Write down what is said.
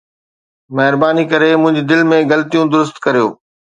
مهرباني ڪري منهنجي بل ۾ غلطيون درست ڪريو